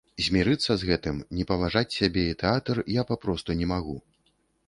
Змірыцца з гэтым, не паважаць сябе і тэатр я папросту не магу.